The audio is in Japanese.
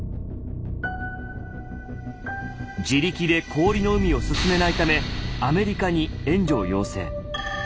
自力で氷の海を進めないためアメリカに援助を要請。